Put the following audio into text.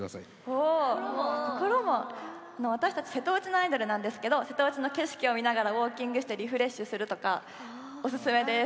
あの私たち瀬戸内のアイドルなんですけど瀬戸内の景色を見ながらウォーキングしてリフレッシュするとかおすすめです。